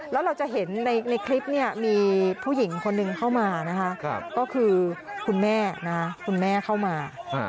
แล้วเราจะเห็นในคลิปมีผู้หญิงคนหนึ่งเข้ามาก็คือคุณแม่เข้ามา